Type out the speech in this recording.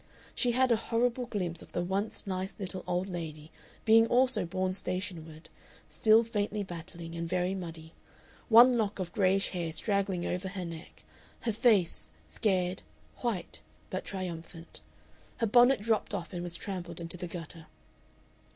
She had a horrible glimpse of the once nice little old lady being also borne stationward, still faintly battling and very muddy one lock of grayish hair straggling over her neck, her face scared, white, but triumphant. Her bonnet dropped off and was trampled into the gutter.